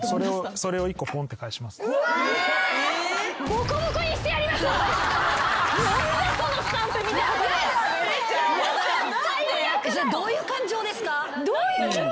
それどういう感情ですか？